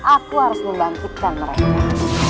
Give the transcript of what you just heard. aku harus membangkitkan mereka